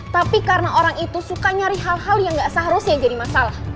tapi karena orang itu suka nyari hal hal yang nggak seharusnya jadi masalah